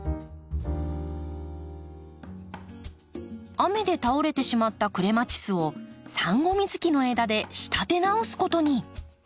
雨で倒れてしまったクレマチスをサンゴミズキの枝で仕立て直すことに。